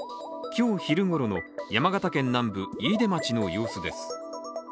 今日昼ごろの山形県南部飯豊町の様子です。